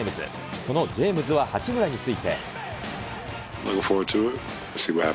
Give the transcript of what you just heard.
そのジェームズは八村について。